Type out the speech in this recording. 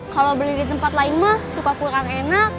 kalau beli di tempat lain mah suka kurang enak